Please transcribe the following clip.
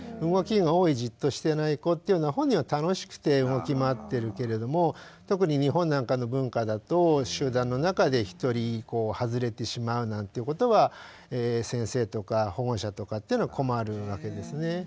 動きが多いじっとしてない子っていうのは本人は楽しくて動き回ってるけれども特に日本なんかの文化だと集団の中で一人外れてしまうなんていうことは先生とか保護者とかっていうのは困るわけですね。